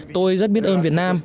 tôi rất biết ơn việt nam